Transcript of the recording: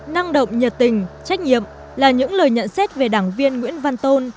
năng động nhiệt tình trách nhiệm là những lời nhận xét về đảng viên nguyễn văn tôn